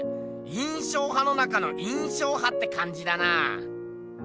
印象派の中の印象派ってかんじだなあ。